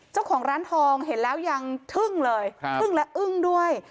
เจ้าของร้านทองเห็นแล้วยังทึ่งเลยทึ่งและอึ้งด้วย